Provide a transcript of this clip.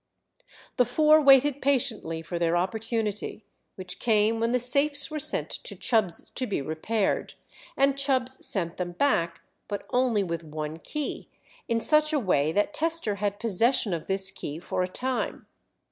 The four waited patiently for their opportunity, which came when the safes were sent to Chubbs' to be repaired; and Chubbs sent them back, but only with one key, in such a way that Tester had possession of this key for a time.